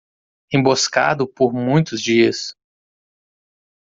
Emboscado por muitos dias